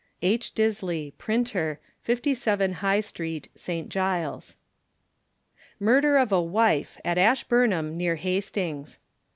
H. Disley, Printer, 57, High Street, St. Giles. MURDER OF A WIFE AT ASHBURNHAM, NEAR HASTINGS.